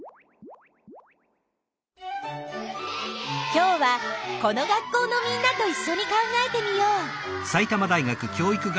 今日はこの学校のみんなといっしょに考えてみよう。